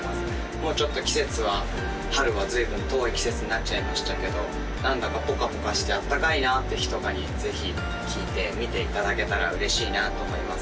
もうちょっと季節は春は随分遠い季節になっちゃいましたけど何だかポカポカしてあったかいなって日とかにぜひ聴いてみていただけたら嬉しいなと思います